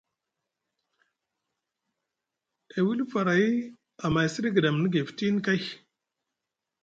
E wili faray, amma e siɗi gɗamni gay futini kay.